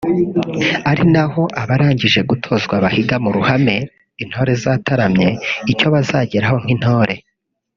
Ari naho abarangije gutozwa bahiga mu ruhame (Intore zataramye) icyo bazageraho nk’intore